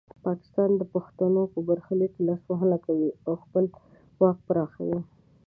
پاکستان د پښتنو په برخلیک کې لاسوهنه کوي او خپل واک پراخوي.